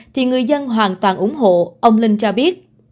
thì người dân hoàn toàn ủng hộ ông linh cho biết